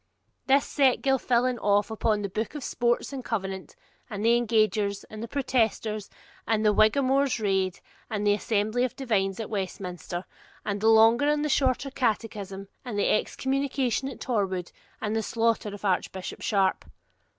This set Gilfillan off upon the Book of Sports and the Covenant, and the Engagers, and the Protesters, and the Whiggamore's Raid, and the Assembly of Divines at Westminster, and the Longer and Shorter Catechism, and the Excommunication at Torwood, and the slaughter of Archbishop Sharp.